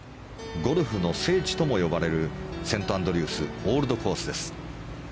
ゴルフの聖地とも呼ばれるセントアンドリュースオールドコースです。